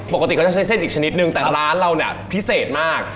ปกติเขาจะใช้เส้นอีกชนิดนึงแต่ร้านเราเนี่ยพิเศษมาก